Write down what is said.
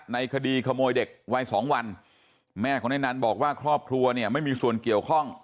ในคดีขโมยเด็กวัยสองวันแม่ของนายนันบอกว่าครอบครัวเนี่ยไม่มีส่วนเกี่ยวข้อง